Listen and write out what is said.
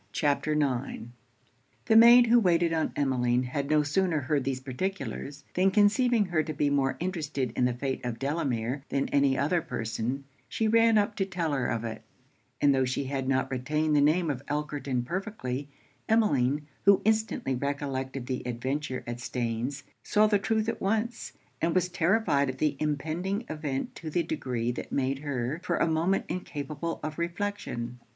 CHAPTER IX The maid who waited on Emmeline had no sooner heard these particulars, than conceiving her to be more interested in the fate of Delamere than any other person, she ran up to tell her of it; and tho' she had not retained the name of Elkerton perfectly, Emmeline, who instantly recollected the adventure at Staines, saw the truth at once; and was terrified at the impending event to a degree that made her for a moment incapable of reflection.